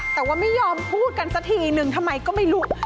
แต่ว่าไม่ยอมพูดกันสักทีนึงทำไมก็ไม่รู้